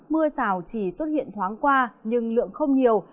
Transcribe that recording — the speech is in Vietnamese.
mưa rào chỉ xuất hiện thoáng qua nhưng lượng không nhiều